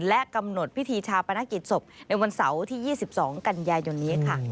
และกำหนดพิธีชาปนกิจศพในวันเสาร์ที่๒๒กันยายนนี้ค่ะ